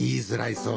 そう！